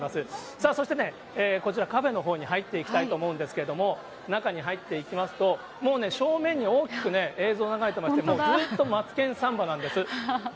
さあ、そしてね、こちら、カフェのほうに入っていきたいと思うんですけれども、中に入っていきますと、もうね、正面に大きく映像流れてまして、ずっとマツケンサンバなんです。